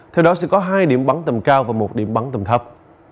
theo đó sẽ có hai điểm bắn tầm cao và một điểm bắn tầm thấp